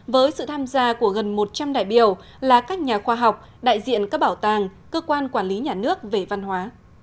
với sự tham gia của gần một trăm linh đại biểu là các nhà khoa học đại diện các bảo tàng cơ quan quản lý nhà nước về văn hóa